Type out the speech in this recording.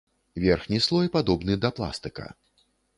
Верхні слой падобны да пластыка.